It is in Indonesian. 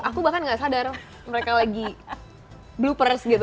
aku bahkan gak sadar mereka lagi bluepers gitu